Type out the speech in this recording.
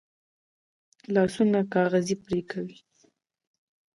لاسونه کاغذ پرې کوي